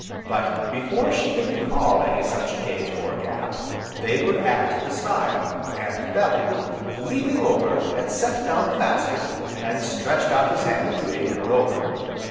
But, before she could recall any such gate, or gap, they were at the stile, and Bellew, leaping over, had set down the basket, and stretched out his hand to aid her over.